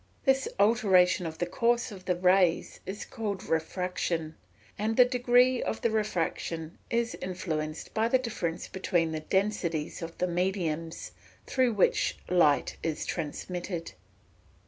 This alteration of the course of the rays is called refraction, and the degree of refraction is influenced by the difference between the densities of the mediums through which light is transmitted.